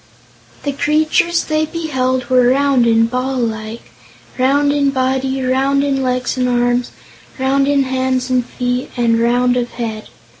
The creatures they beheld were round and ball like; round in body, round in legs and arms, round in hands and feet and round of head.